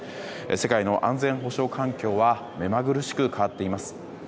世界の安全保障環境はめまぐるしく変わっています。